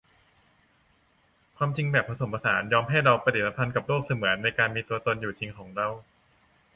ความจริงแบบผสมผสานยอมให้เราปฏิสัมพันธ์กับโลกเสมือนในการมีตัวตนอยู่จริงของเรา